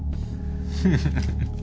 フフフフ。